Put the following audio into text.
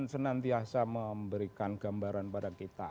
senantiasa memberikan gambaran pada kita